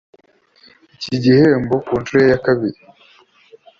iki gihembo ku nshuro ye ya kabiri